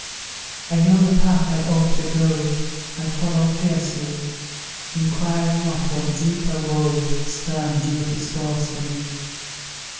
I know the path I ought to go I follow fearlessly, Inquiring not what deeper woe Stern duty stores for me.